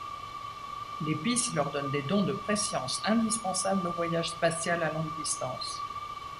L'épice leur donne des dons de prescience indispensables au voyage spatial à longue distance.